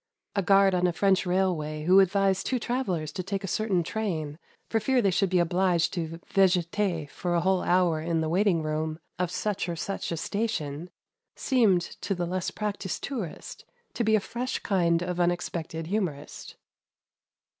A guard on a French railway, who advised two travellers to take a certain train for fear they should be obliged to "vegeter" for a whole hour in the waiting room of such or such a station seemed to the less practised tourist to be a fresh kind of unexpected humourist.